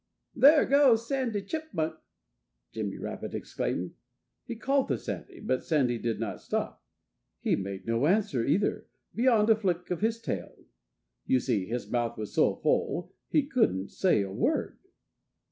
"There goes Sandy Chipmunk!" Jimmy Rabbit exclaimed. He called to Sandy. But Sandy did not stop. He made no answer, either, beyond a flick of his tail. You see, his mouth was so full that he couldn't say a word.